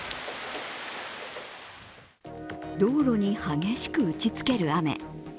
道路に激しく打ちつける雨。